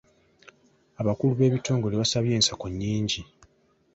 Abakulu b'ebitongole b'asabye ensako nnyingi.